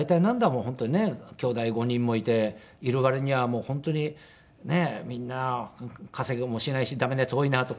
「本当にねきょうだい５人もいている割には本当にみんな稼ぎもしないし駄目なヤツ多いな」とか。